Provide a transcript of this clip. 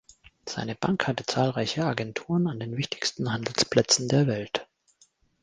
Seine Bank hatte zahlreiche Agenturen an den wichtigsten Handelsplätzen der Welt.